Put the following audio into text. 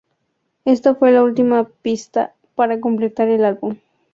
Ésta fue la última pista para completar el álbum.